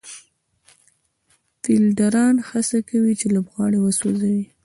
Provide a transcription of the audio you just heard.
فېلډران هڅه کوي، چي لوبغاړی وسوځوي.